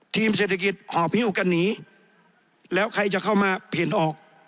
เศรษฐกิจหอบฮิ้วกันหนีแล้วใครจะเข้ามาเปลี่ยนออก